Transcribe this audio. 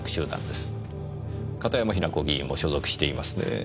片山雛子議員も所属していますねぇ。